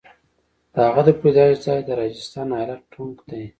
د هغه د پیدایښت ځای د راجستان ایالت ټونک دی.